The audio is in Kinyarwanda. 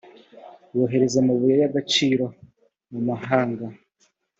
bohereza amabuye y agaciromu mahanga